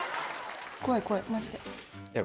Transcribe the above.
怖い怖いマジで。